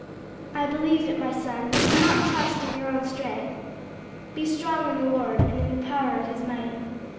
"I believe it, my son, but do not trust in your own strength. 'Be strong in the Lord, and in the power of his might.'"